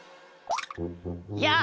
やあ！